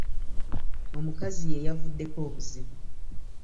Omukazi yeyavuddeko obuzibu.